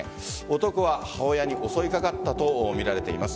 男は母親に襲いかかったとみられています。